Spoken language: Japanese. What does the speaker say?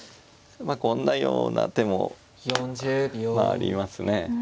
まあこんなような手もまあありますね。